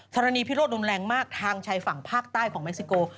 รณีพิโรธรุนแรงมากทางชายฝั่งภาคใต้ของเม็กซิโก